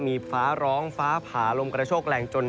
มีฟ้าร้องฟ้าผ่าลมกระโชกแรงจน